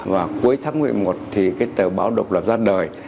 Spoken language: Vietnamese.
và cuối tháng một mươi một thì cái tờ báo độc lập ra đời